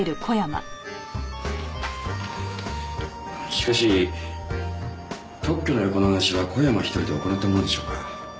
しかし特許の横流しは小山一人で行ったものでしょうか？